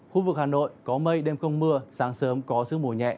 khu vực hà nội có mây đêm không mưa sáng sớm có sức mùi nhẹ